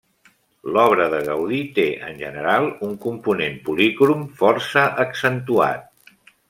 L'obra de Gaudí té, en general, un component policrom força accentuat.